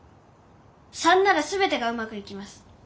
「３」なら全てがうまくいきます。